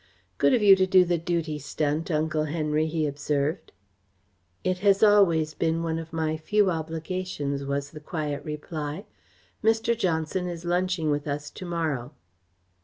"Good of you to do the duty stunt, Uncle Henry," he observed. "It has always been one of my few obligations," was the quiet reply. "Mr. Johnson is lunching with us to morrow."